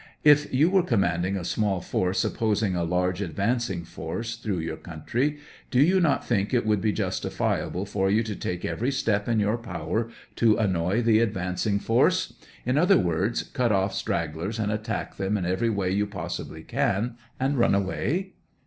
If you were commanding a small force, opposing a large advancing force through your country, do you not think it would be justifiable for you to take every step in your power to annoy the advancing force ; in other words cut off stragglers and attack them in every way you possibly can, and run away